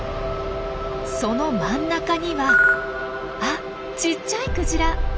その真ん中にはあっちっちゃいクジラ！